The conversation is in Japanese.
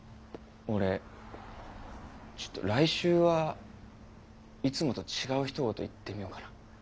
俺ちょっと来週はいつもと違うひと言言ってみようかな。